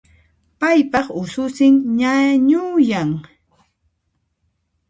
Ipaypaq ususin ñañuyan